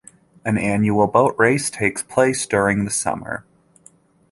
An annual boat race takes place during the summer.